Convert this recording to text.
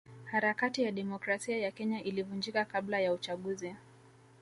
Harakati ya demokrasia ya Kenya ilivunjika kabla ya uchaguzi